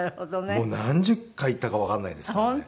もう何十回行ったかわからないですからね。